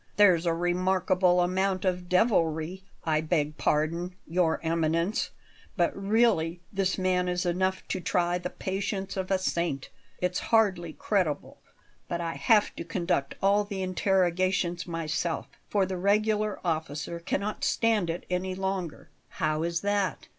"There's a remarkable amount of devilry I beg pardon, Your Eminence, but really this man is enough to try the patience of a saint. It's hardly credible, but I have to conduct all the interrogations myself, for the regular officer cannot stand it any longer." "How is that?"